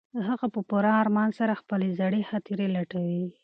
هغه په پوره ارمان سره خپلې زړې خاطرې لټوي.